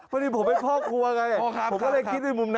ผมเป็นพ่อครัว